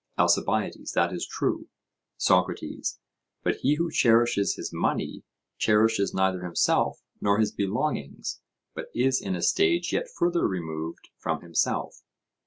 ALCIBIADES: That is true. SOCRATES: But he who cherishes his money, cherishes neither himself nor his belongings, but is in a stage yet further removed from himself?